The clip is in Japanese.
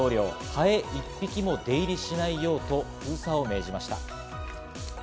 ハエ一匹も出入りしないようにと封鎖を命じました。